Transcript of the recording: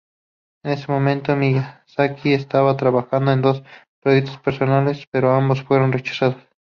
En ese momento Miyazaki estaba trabajando en dos proyectos personales, pero ambos fueron rechazados.